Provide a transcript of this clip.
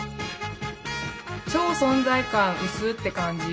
超存在感うすって感じ。